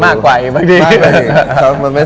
มากกว่าอีกบางที